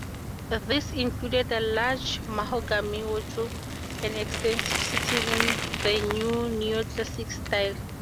This included a large mahogany wardrobe and extensive seating in the new Neo-classical style.